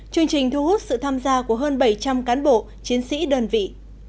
chương trình thu hút sự tham gia của hơn bảy trăm linh cán bộ chiến sĩ đơn vị